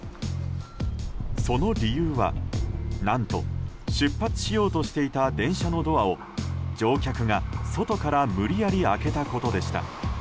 その理由は何と出発しようとしていた電車のドアを乗客が外から無理やり開けたことでした。